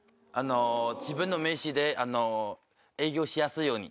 自分の名刺で営業しやすいように。